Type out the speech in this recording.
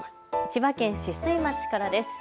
千葉県酒々井町からです。